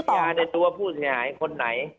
ยาในตัวผู้เสียหายคนไหน